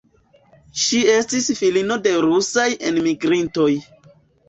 Ŝi estis filino de rusaj enmigrintoj.